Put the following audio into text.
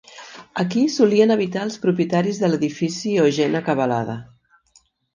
Aquí solien habitar els propietaris de l'edifici o gent acabalada.